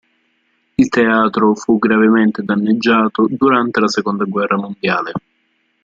Il teatro fu gravemente danneggiato durante la seconda guerra mondiale.